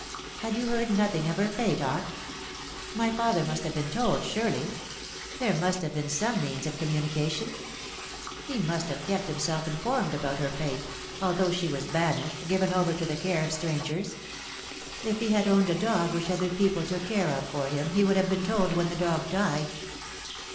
"Had you heard nothing of her fate, aunt? My father must have been told, surely. There must have been some means of communication. He must have kept himself informed about her fate, although she was banished, given over to the care of strangers. If he had owned a dog which other people took care of for him he would have been told when the dog died."